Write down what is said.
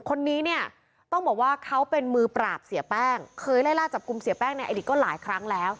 คนนี้เนี่ยต้องบอกว่าเขาเป็นมือปราบเสียแป้งเคยไล่ล่าจับกลุ่มเสียแป้งในอดีตก็หลายครั้งแล้ว